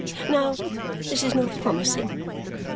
Now, this is not promising.